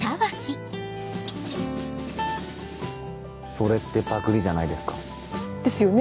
「それってパクリじゃないですか？」。ですよね？